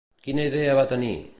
Quina idea va tenir?